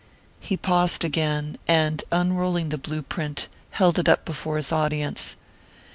He paused again, and unrolling the blue print, held it up before his audience.